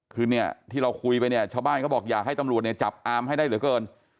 คือเนี่ยที่เราคุยไปเนี่ยชาวบ้านเขาบอกอยากให้ตำรวจเนี่ยจับอามให้ได้เหลือเกิน